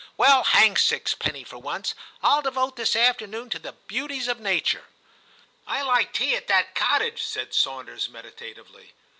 Well, hang Six penny for once ; 1 11 devote this afternoon to the beauties of nature.' ' I like tea at that cottage/ said Sawnders meditatively.